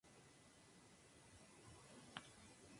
Carmel era la abogada de Pat O'Connell.